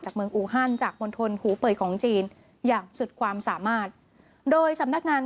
เมืองอูฮันจากมณฑลหูเป่ยของจีนอย่างสุดความสามารถโดยสำนักงาน